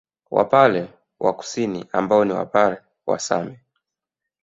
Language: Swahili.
Wapare wa Kusini ambao ni Wapare wa Same